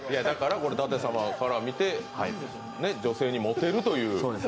舘様から見て、女性にモテるという。